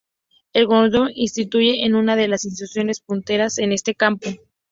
El Courtauld Institute es una de las instituciones punteras en este campo.